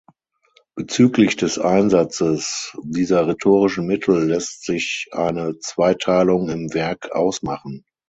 Bezüglich des Einsatzes dieser rhetorischen Mittel lässt sich eine Zweiteilung im Werk ausmachen.